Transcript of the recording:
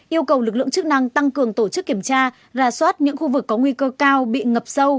yêu cầu lực lượng chức năng tăng cường tổ chức kiểm tra ra soát những khu vực có nguy cơ cao bị ngập sâu